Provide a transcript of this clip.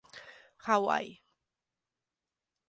Hawaii.